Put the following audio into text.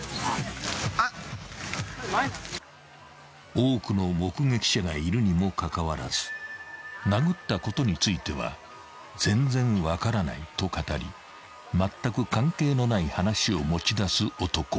［多くの目撃者がいるにもかかわらず殴ったことについては「全然分からない」と語りまったく関係のない話を持ち出す男］